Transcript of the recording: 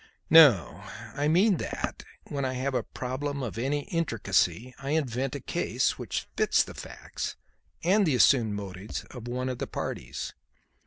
"No; I mean that, when I have a problem of any intricacy, I invent a case which fits the facts and the assumed motives of one of the parties.